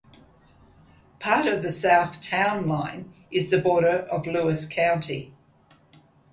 Part of the south town line is the border of Lewis County.